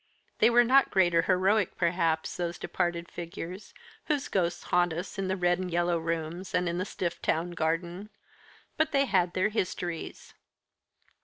They were not great or heroic, perhaps, those departed figures, whose ghosts haunt us in the red and yellow rooms, and in the stiff town garden; but they had their histories.